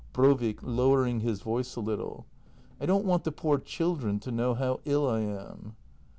Brovik. [Lowering his voice a little.] I don't want the poor children to know how ill I am.